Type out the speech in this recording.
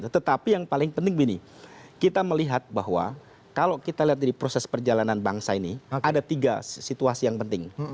tetapi yang paling penting begini kita melihat bahwa kalau kita lihat dari proses perjalanan bangsa ini ada tiga situasi yang penting